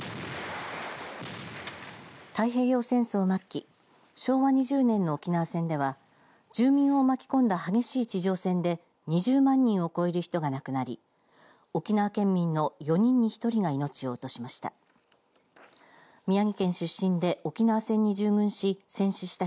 太平洋戦争末期昭和２０年の沖縄戦では住民を巻き込んだ激しい地上戦で２０万人を超える人が亡くなり沖縄県民の４人に１人が命を落としました。